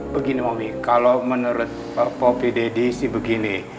begini omi kalau menurut popi deddy sih begini